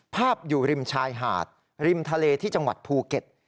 ภาพอยู่ริมชายหาดริมทะเลที่จังหวัดภูเก็ต